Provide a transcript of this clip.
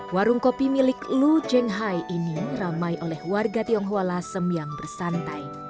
warung kopi milik lu zheng hai ini ramai oleh warga tionghoa lhasa yang bersantai